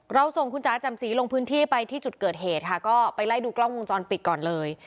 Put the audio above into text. ส่งคุณจ๋าจำสีลงพื้นที่ไปที่จุดเกิดเหตุค่ะก็ไปไล่ดูกล้องวงจรปิดก่อนเลย